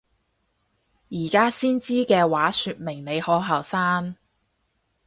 而家先知嘅話說明你好後生！